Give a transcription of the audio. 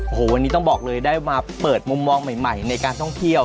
โอ้โหวันนี้ต้องบอกเลยได้มาเปิดมุมมองใหม่ในการท่องเที่ยว